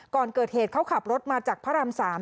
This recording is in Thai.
ก่อนเกิดเหตุเขาขับรถมาจากพระราม๓